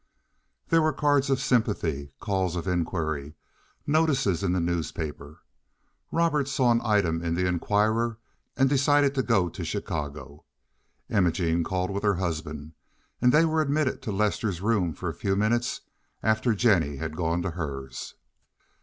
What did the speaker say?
There were cards of sympathy, calls of inquiry, notices in the newspaper. Robert saw an item in the Inquirer and decided to go to Chicago. Imogene called with her husband, and they were admitted to Lester's room for a few minutes after Jennie had gone to hers.